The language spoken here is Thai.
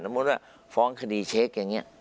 มุติว่าฟ้องคดีเช็คอย่างนี้